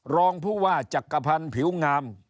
รองผู้ว่าจักรพันธ์ผิวงาม